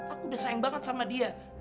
aku udah sayang banget sama dia